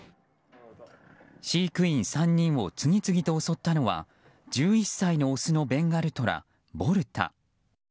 飼育員３人を次々と襲ったのは１１歳のオスのベンガルトラボルタ。